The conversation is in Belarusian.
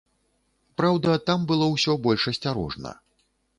Праўда, там было ўсё больш асцярожна.